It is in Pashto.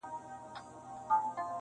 هم ښادۍ یې وې لیدلي هم غمونه-